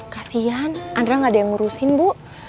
kasian andra gak ada yang ngurusin bu